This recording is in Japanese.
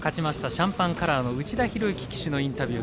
シャンパンカラーの内田博幸騎手のインタビュー